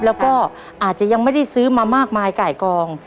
แล้วก็อาจจะยังไม่ได้ซื้อมามากมายไก่กอง